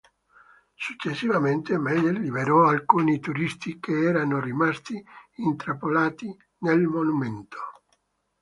Successivamente Mayer liberò alcuni turisti che erano rimasti intrappolati nel monumento.